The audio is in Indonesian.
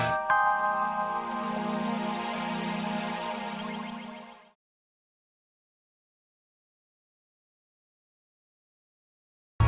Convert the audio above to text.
ya allah opi